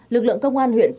lực lượng công an huyện cẩm mỹ